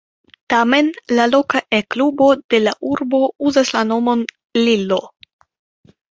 Tamen la loka E-klubo de la urbo uzas la nomon "Lillo".